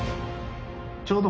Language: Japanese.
ちょうど。